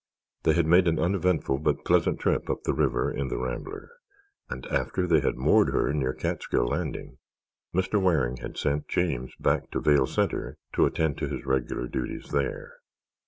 They had made an uneventful but pleasant trip up the river in the Rambler and after they had moored her near Catskill Landing Mr. Waring had sent James back to Vale Centre to attend to his regular duties there.